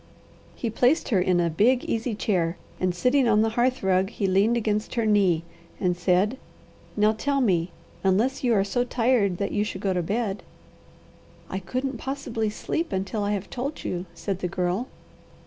He placed her in a big easy chair and sitting on the hearth rug he leaned against her knee and said, "Now tell me, unless you are so tired that you should go to bed." "I couldn't possibly sleep until I have told you," said the Girl.